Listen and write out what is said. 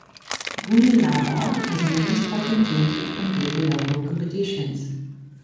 Goonellabah has many sporting teams which compete in local competitions.